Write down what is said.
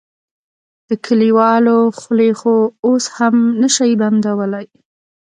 د کليوالو خولې خو اوس هم نه شې بندولی.